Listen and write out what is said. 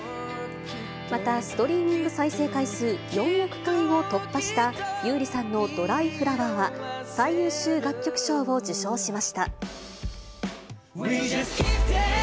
またストリーミング再生回数４億回を突破した、優里さんのドライフラワーは、最優秀楽曲賞を受賞しました。